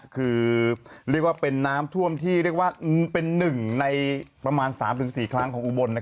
คือเป็นน้ำท่วมเป็น๑ในประมาณ๓๔ครั้งของอุบล